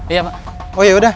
iya mak oh ya udah